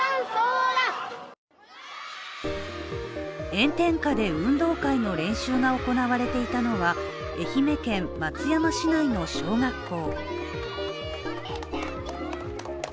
炎天下で運動会の練習が行われていたのは愛媛県松山市内の小学校。